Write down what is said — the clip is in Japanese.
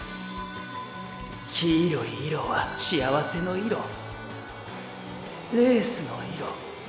黄色い色は幸せの色レースの色